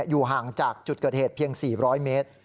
อยู่ห่างจากจุดเกิดเหตุเพียง๔๐๐เมตร